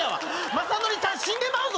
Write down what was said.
雅紀さん死んでまうぞ